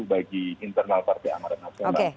bagi internal partai amaran nasional